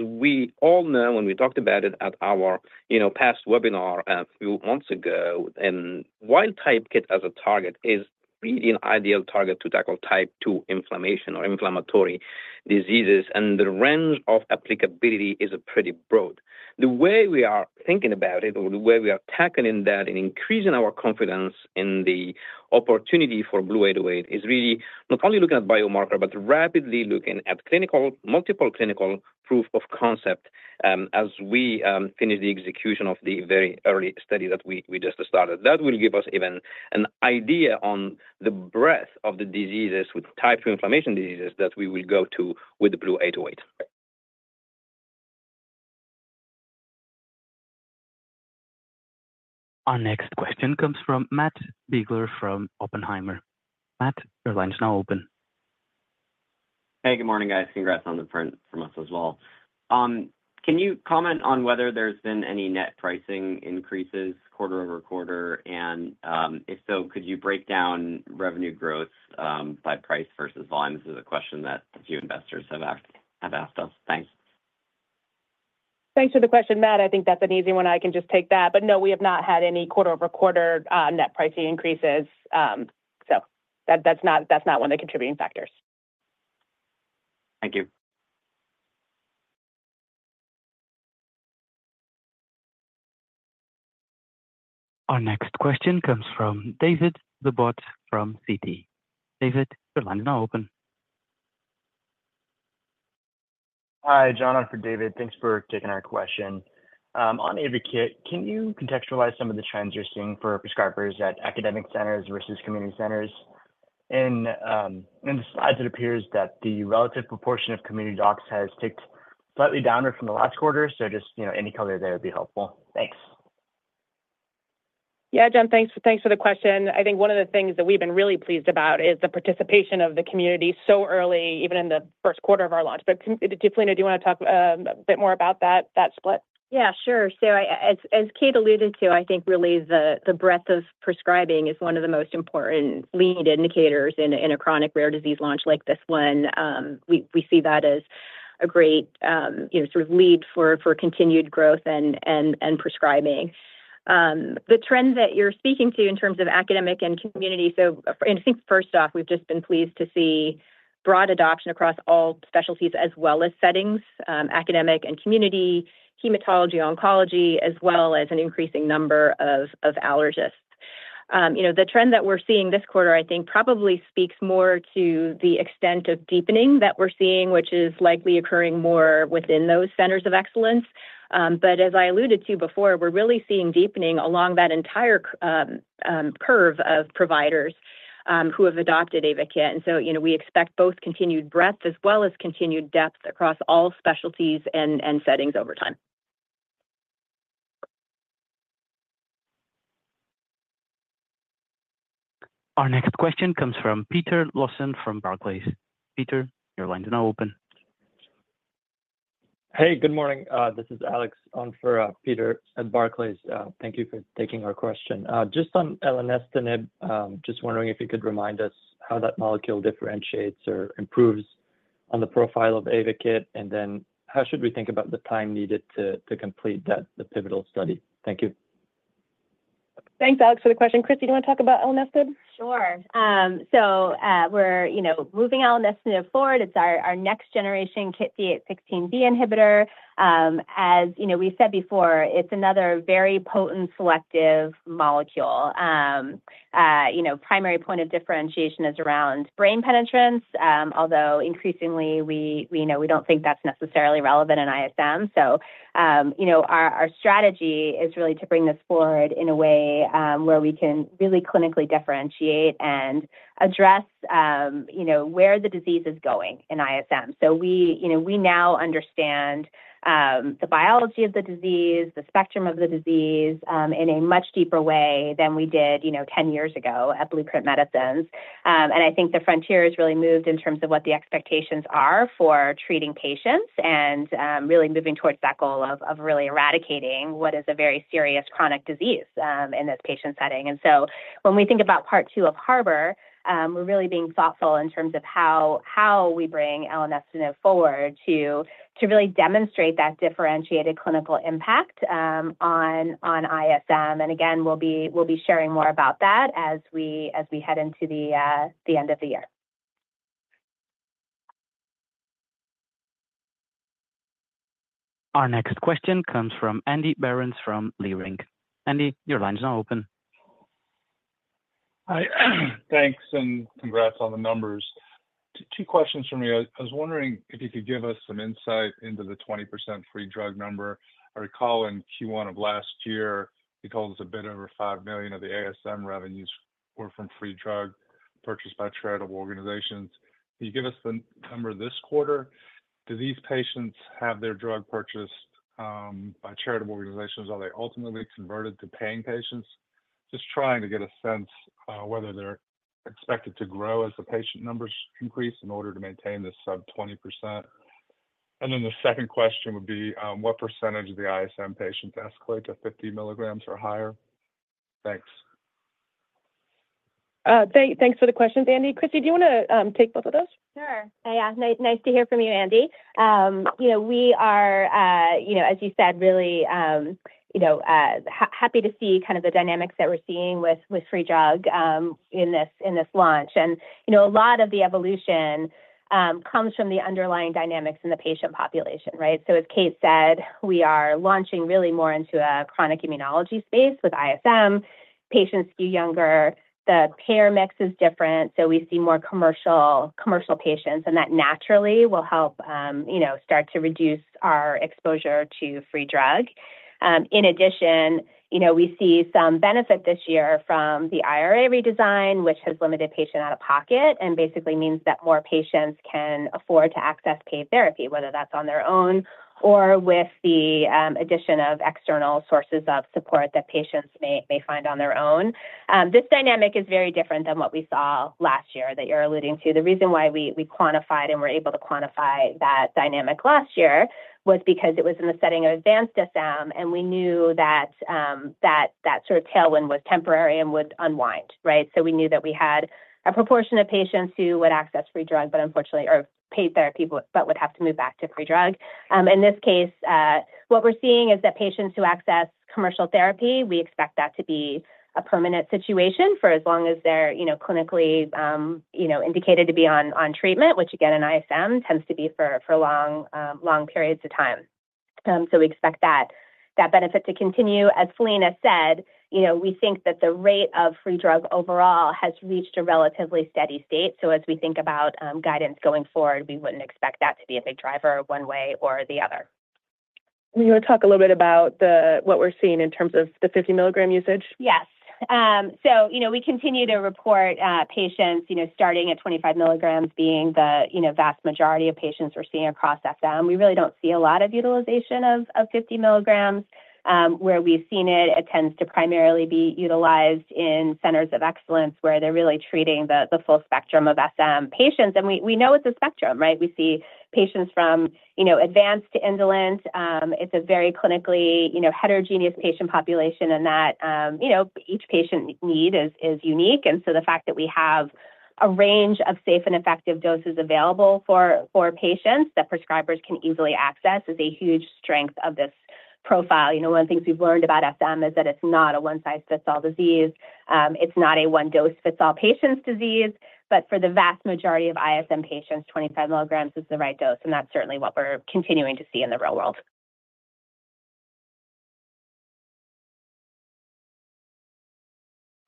we all know, when we talked about it at our, you know, past webinar a few months ago, and wild-type KIT as a target is really an ideal target to tackle type 2 inflammation or inflammatory diseases, and the range of applicability is pretty broad. The way we are thinking about it or the way we are tackling that and increasing our confidence in the opportunity for BLU-808 is really not only looking at biomarker, but rapidly looking at clinical multiple clinical proof of concept, as we finish the execution of the very early study that we just started. That will give us even an idea on the breadth of the diseases with type 2 inflammation diseases that we will go to with the BLU-808. Our next question comes from Matt Biegler from Oppenheimer. Matt, your line is now open. Hey, good morning, guys. Congrats on the print from us as well. Can you comment on whether there's been any net pricing increases quarter-over-quarter? And, if so, could you break down revenue growth, by price versus volume? This is a question that a few investors have asked, have asked us. Thanks. Thanks for the question, Matt. I think that's an easy one. I can just take that. But no, we have not had any quarter-over-quarter net pricing increases. So that, that's not, that's not one of the contributing factors. Thank you. Our next question comes from David Lebowitz from Citi. David, your line is now open. Hi, John, on for David. Thanks for taking our question. On AYVAKIT, can you contextualize some of the trends you're seeing for prescribers at academic centers versus community centers? And as it appears that the relative proportion of community docs has ticked slightly downward from the last quarter, so just, you know, any color there would be helpful. Thanks. Yeah, John, thanks, thanks for the question. I think one of the things that we've been really pleased about is the participation of the community so early, even in the first quarter of our launch. But, Philina, do you want to talk, a bit more about that, that split? Yeah, sure. So as Kate alluded to, I think really the breadth of prescribing is one of the most important lead indicators in a chronic rare disease launch like this one. We see that as a great, you know, sort of lead for continued growth and prescribing. The trend that you're speaking to in terms of academic and community, so I think first off, we've just been pleased to see broad adoption across all specialties as well as settings, academic and community, hematology, oncology, as well as an increasing number of allergists. You know, the trend that we're seeing this quarter, I think, probably speaks more to the extent of deepening that we're seeing, which is likely occurring more within those centers of excellence. But as I alluded to before, we're really seeing deepening along that entire continuum of providers who have adopted AYVAKIT. And so, you know, we expect both continued breadth as well as continued depth across all specialties and settings over time. Our next question comes from Peter Lawson from Barclays. Peter, your line is now open. Hey, good morning. This is Alex, on for Peter at Barclays. Thank you for taking our question. Just on elenestinib, just wondering if you could remind us how that molecule differentiates or improves on the profile of AYVAKIT, and then how should we think about the time needed to complete that, the pivotal study? Thank you. Thanks, Alex, for the question. Christy, do you want to talk about elenestinib? Sure. So, we're, you know, moving elenestinib forward. It's our, our next generation KIT D816V inhibitor. As you know, we said before, it's another very potent selective molecule. You know, primary point of differentiation is around brain penetrance, although increasingly we, we know we don't think that's necessarily relevant in ISM. So, you know, our, our strategy is really to bring this forward in a way, where we can really clinically differentiate and address, you know, where the disease is going in ISM. So we, you know, we now understand, the biology of the disease, the spectrum of the disease, in a much deeper way than we did, you know, ten years ago at Blueprint Medicines. And I think the frontier has really moved in terms of what the expectations are for treating patients and, really moving towards that goal of, of really eradicating what is a very serious chronic disease, in this patient setting. And so when we think about Part 2 of HARBOR, we're really being thoughtful in terms of how, how we bring elenestinib forward to, to really demonstrate that differentiated clinical impact, on, on ISM. And again, we'll be, we'll be sharing more about that as we, as we head into the, the end of the year. Our next question comes from Andrew Berens from Leerink. Andrew, your line is now open. Hi. Thanks and congrats on the numbers. Two questions from me. I was wondering if you could give us some insight into the 20% free drug number. I recall in Q1 of last year, you told us a bit over $5 million of the ASM revenues were from free drug purchased by charitable organizations. Can you give us the number this quarter? Do these patients have their drug purchased by charitable organizations? Are they ultimately converted to paying patients? Just trying to get a sense of whether they're expected to grow as the patient numbers increase in order to maintain this sub-20%. And then the second question would be, what percentage of the ISM patients escalate to 50 milligrams or higher? Thanks. Thanks for the questions, Andy. Christy, do you wanna take both of those? Sure. Yeah. Nice to hear from you, Andy. You know, we are, you know, as you said, really, you know, happy to see kind of the dynamics that we're seeing with free goods in this launch. And, you know, a lot of the evolution comes from the underlying dynamics in the patient population, right? So as Kate said, we are launching really more into a chronic immunology space with ISM. Patients skew younger. The payer mix is different, so we see more commercial patients, and that naturally will help, you know, start to reduce our exposure to free goods. In addition, you know, we see some benefit this year from the IRA redesign, which has limited patient out-of-pocket and basically means that more patients can afford to access paid therapy, whether that's on their own or with the addition of external sources of support that patients may find on their own. This dynamic is very different than what we saw last year that you're alluding to. The reason why we quantified and were able to quantify that dynamic last year was because it was in the setting of advanced SM, and we knew that that sort of tailwind was temporary and would unwind, right? So we knew that we had a proportion of patients who would access free drug, but unfortunately... Or paid therapy, but would have to move back to free drug. In this case, what we're seeing is that patients who access commercial therapy, we expect that to be a permanent situation for as long as they're, you know, clinically, you know, indicated to be on, on treatment, which again, in ISM tends to be for, for long, long periods of time. So we expect that, that benefit to continue. As Philina said, you know, we think that the rate of free drug overall has reached a relatively steady state. So as we think about, guidance going forward, we wouldn't expect that to be a big driver one way or the other. You want to talk a little bit about the, what we're seeing in terms of the 50 milligram usage? Yes. So, you know, we continue to report patients, you know, starting at 25 milligrams being the, you know, vast majority of patients we're seeing across SM. We really don't see a lot of utilization of 50 milligrams. Where we've seen it, it tends to primarily be utilized in centers of excellence, where they're really treating the full spectrum of SM patients. And we know it's a spectrum, right? We see patients from, you know, advanced to indolent. It's a very clinically, you know, heterogeneous patient population and that, you know, each patient need is unique. And so the fact that we have a range of safe and effective doses available for patients that prescribers can easily access is a huge strength of this profile. You know, one of the things we've learned about SM is that it's not a one-size-fits-all disease. It's not a one-dose-fits-all patients disease, but for the vast majority of ISM patients, 25 milligrams is the right dose, and that's certainly what we're continuing to see in the real world.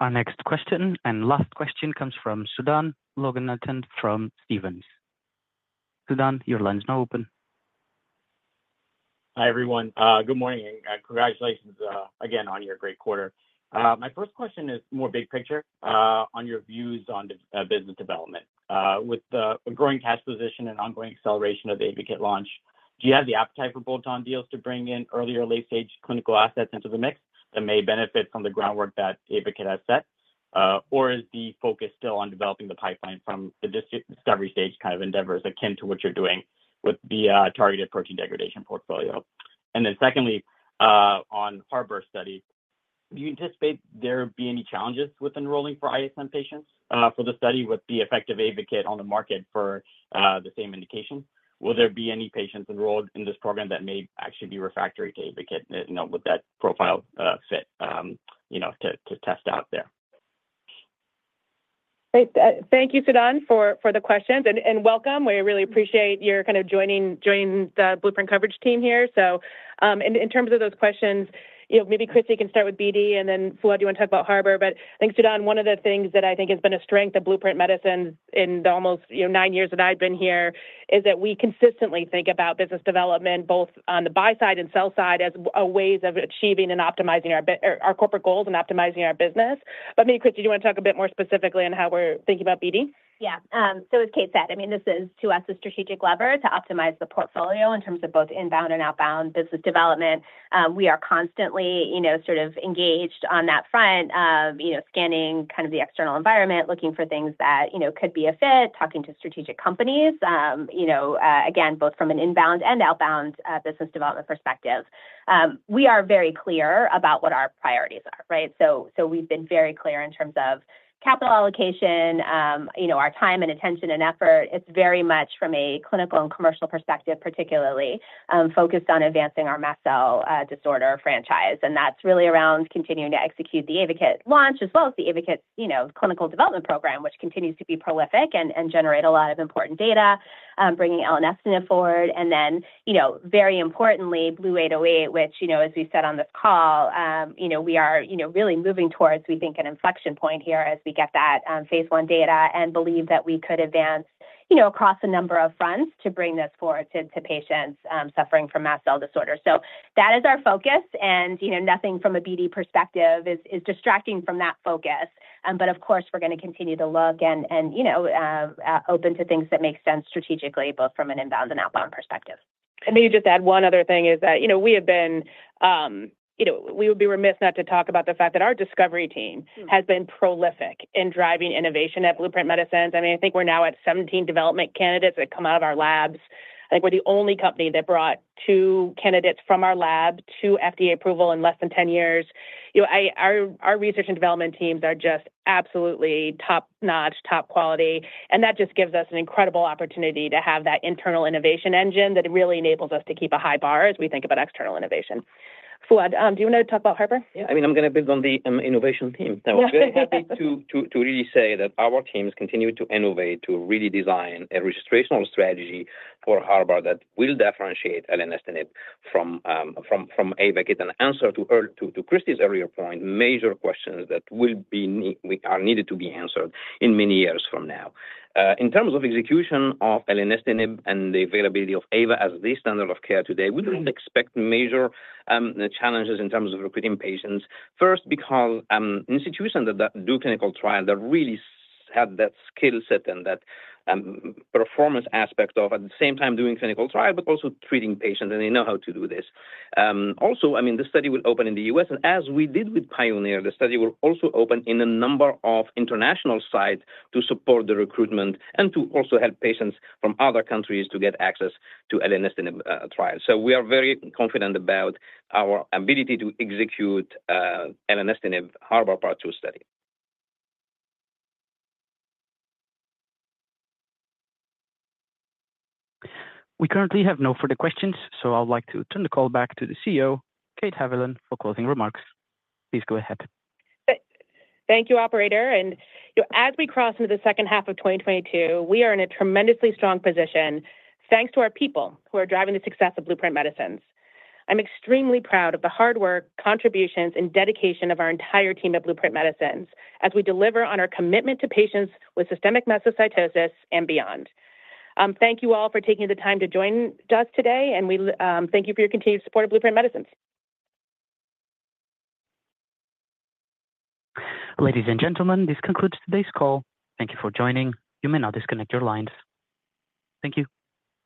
Our next question and last question comes from Sudan Loganathan from Stephens. Sudan, your line is now open. Hi, everyone. Good morning, and congratulations again on your great quarter. My first question is more big picture on your views on the business development. With the growing cash position and ongoing acceleration of the AYVAKIT launch, do you have the appetite for bolt-on deals to bring in early or late-stage clinical assets into the mix that may benefit from the groundwork that AYVAKIT has set? Or is the focus still on developing the pipeline from the discovery stage kind of endeavors, akin to what you're doing with the targeted protein degradation portfolio? And then secondly, on HARBOR study, do you anticipate there be any challenges with enrolling for ISM patients for the study with the effective AYVAKIT on the market for the same indication? Will there be any patients enrolled in this program that may actually be refractory to AYVAKIT? You know, would that profile fit, you know, to test out there? Great. Thank you, Sudan, for the questions, and welcome. We really appreciate your kind of joining the Blueprint coverage team here. So, in terms of those questions, you know, maybe Christy can start with BD, and then Fouad, do you want to talk about HARBOR? But thanks, Sudan. One of the things that I think has been a strength of Blueprint Medicines in the almost, you know, nine years that I've been here is that we consistently think about business development, both on the buy side and sell side, as ways of achieving and optimizing our corporate goals and optimizing our business. But maybe, Christy, do you want to talk a bit more specifically on how we're thinking about BD? Yeah. So as Kate said, I mean, this is, to us, a strategic lever to optimize the portfolio in terms of both inbound and outbound business development. We are constantly, you know, sort of engaged on that front of, you know, scanning kind of the external environment, looking for things that, you know, could be a fit, talking to strategic companies, you know, again, both from an inbound and outbound, business development perspective.... We are very clear about what our priorities are, right? So, so we've been very clear in terms of capital allocation, you know, our time and attention, and effort. It's very much from a clinical and commercial perspective, particularly, focused on advancing our mast cell, disorder franchise. And that's really around continuing to execute the AYVAKIT launch, as well as the AYVAKIT, you know, clinical development program, which continues to be prolific and generate a lot of important data, bringing elenestinib forward. And then, you know, very importantly, BLU-808, which, you know, as we said on this call, you know, we are, you know, really moving towards, we think, an inflection point here as we get that phase I data and believe that we could advance, you know, across a number of fronts to bring this forward to patients suffering from mast cell disorder. So that is our focus, and, you know, nothing from a BD perspective is distracting from that focus. But of course, we're gonna continue to look and, you know, open to things that make sense strategically, both from an inbound and outbound perspective. Let me just add one other thing is that, you know, we have been, you know, we would be remiss not to talk about the fact that our discovery team- Mm-hmm. has been prolific in driving innovation at Blueprint Medicines. I mean, I think we're now at 17 development candidates that come out of our labs. I think we're the only company that brought two candidates from our lab to FDA approval in less than 10 years. You know, I, our, our research and development teams are just absolutely top-notch, top quality, and that just gives us an incredible opportunity to have that internal innovation engine that really enables us to keep a high bar as we think about external innovation. Fouad, do you want to talk about HARBOR? Yeah, I mean, I'm gonna build on the innovation team. So we're happy to really say that our teams continue to innovate, to really design a registrational strategy for HARBOR that will differentiate elenestinib from AYVAKIT and answer, to Christy's earlier point, major questions that will be needed to be answered in many years from now. In terms of execution of elenestinib and the availability of Ava as the standard of care today- Mm-hmm. We don't expect major challenges in terms of recruiting patients. First, because institutions that do clinical trial that really have that skill set and that performance aspect of at the same time doing clinical trial, but also treating patients, and they know how to do this. Also, I mean, the study will open in the U.S., and as we did with PIONEER, the study will also open in a number of international sites to support the recruitment and to also help patients from other countries to get access to elenestinib trial. So we are very confident about our ability to execute elenestinib HARBOR Part 2 study. We currently have no further questions, so I'd like to turn the call back to the CEO, Kate Haviland, for closing remarks. Please go ahead. Thank you, operator. And, you know, as we cross into the second half of 2022, we are in a tremendously strong position, thanks to our people who are driving the success of Blueprint Medicines. I'm extremely proud of the hard work, contributions, and dedication of our entire team at Blueprint Medicines as we deliver on our commitment to patients with systemic mastocytosis and beyond. Thank you all for taking the time to join us today, and thank you for your continued support of Blueprint Medicines. Ladies and gentlemen, this concludes today's call. Thank you for joining. You may now disconnect your lines. Thank you.